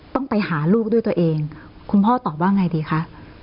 ต้องไปหาลูกด้วยตัวเองคุณพ่อตอบว่าไงดีคะ